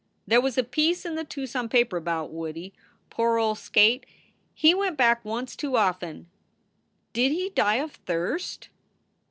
There was a piece in the Tucson paper about Woodie. Pore old skate, he went back once too often." "Did he die of thirst?"